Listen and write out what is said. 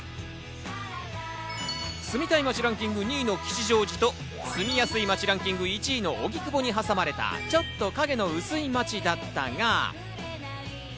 住みたい街ランキング２位の吉祥寺と、住みやすい街ランキング１位の荻窪に挟まれた、ちょっと影の薄い街だったが。